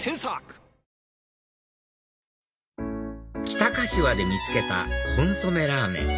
北柏で見つけたコンソメラーメン